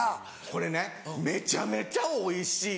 これねめちゃめちゃおいしい